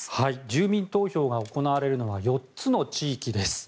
住民投票が行われるのは４つの地域です。